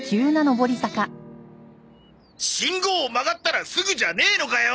「信号を曲がったらすぐ」じゃねえのかよ。